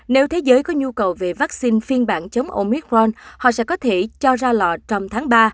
nếu thế giới có nhu cầu về vaccine phiên bản chống oicron họ sẽ có thể cho ra lò trong tháng ba